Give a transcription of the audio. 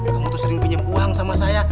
kamu tuh sering pinjam uang sama saya